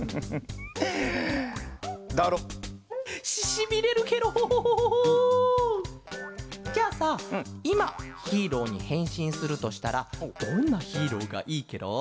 ししびれるケロ。じゃあさいまヒーローにへんしんするとしたらどんなヒーローがいいケロ？